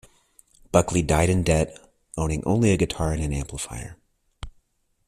Buckley died in debt, owning only a guitar and an amplifier.